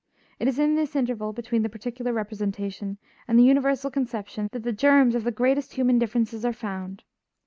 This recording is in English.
It is in this interval between the particular representation and the universal conception that the germs of the greatest human differences are found.